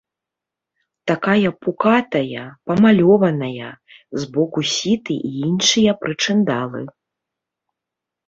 Такая пукатая, памалёваная, з боку сіты і іншыя прычындалы.